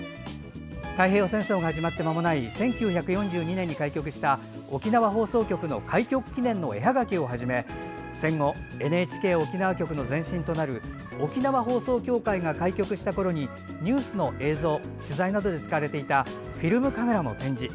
太平洋戦争が始まって間もない１９４２年に開局した沖縄放送局の開局記念の絵はがきをはじめ戦後、ＮＨＫ沖縄局の前身となる沖縄放送協会が開局したころにニュースの映像、取材などで使われていたフィルムカメラも展示。